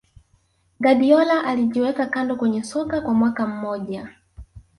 Guardiola alijiweka kando kwenye soka kwa mwaka mmoja